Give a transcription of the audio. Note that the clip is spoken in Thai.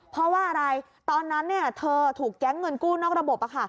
เพราะว่าอะไรตอนนั้นเธอถูกแก๊งเงินกู้นอกระบบ